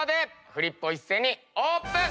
フリップを一斉にオープン！